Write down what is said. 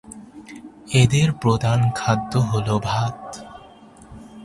এদের প্রধান খাদ্য হল ভাত।